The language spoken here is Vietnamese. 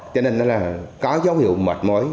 cho nên là có dấu hiệu mệt mối